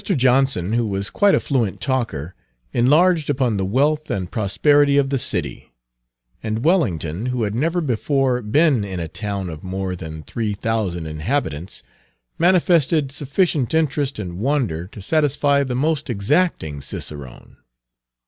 Johnson, who was quite a fluent talker, enlarged upon the wealth and prosperity of the city; and Wellington, who had never before been in a town of more than three thousand inhabitants, manifested sufficient interest and wonder to satisfy the most exacting cicerone.